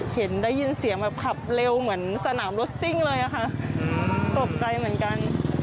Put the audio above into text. เห็นได้ยินเสียงแบบขับเร็วเหมือนสนามรถซิ่งเลยอะค่ะตกใจเหมือนกัน